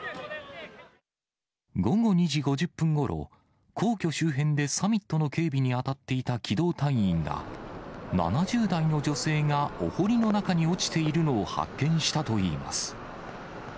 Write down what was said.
午後２時５０分ごろ、皇居周辺でサミットの警備に当たっていた機動隊員が、７０代の女性がお堀の中に落ちているのを発見したといいます。